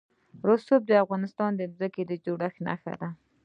رسوب د افغانستان د ځمکې د جوړښت نښه ده.